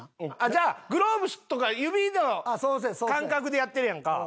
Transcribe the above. じゃあグローブとか指の感覚でやってるやんか。